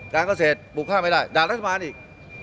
การเกษตรปลูกข้าวไม่ได้ด่ารัฐบาลอีก